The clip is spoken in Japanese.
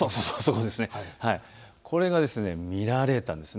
これが見られたんです。